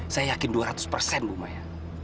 saya yakin dua ratus persen bu maya